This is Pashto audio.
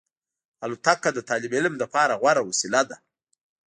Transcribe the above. الوتکه د طالب علم لپاره غوره وسیله ده.